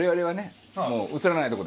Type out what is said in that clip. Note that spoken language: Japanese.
はい。